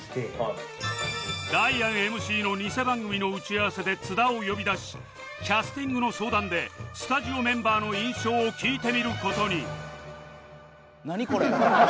ダイアン ＭＣ のニセ番組の打ち合わせで津田を呼び出しキャスティングの相談でスタジオメンバーの印象を聞いてみる事に